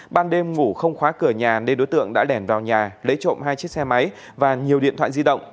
ban đêm ngủ không khóa cửa nhà nên đối tượng đã lẻn vào nhà lấy trộm hai chiếc xe máy và nhiều điện thoại di động